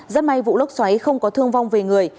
rất may vụ lốc xoáy không có thương vong về người